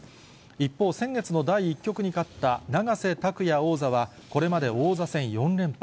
一方、先月の第１局に勝った永瀬拓矢王座はこれまで王座戦４連覇。